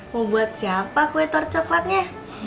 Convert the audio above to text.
mau buat siapa kue tor coklatnya